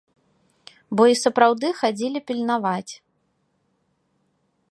Бо і сапраўды хадзілі пільнаваць.